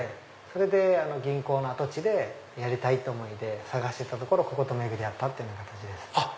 それで銀行の跡地でやりたいって思いで探してたところここと巡り合ったという形で。